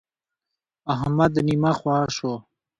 احمد نيمه خوا شو.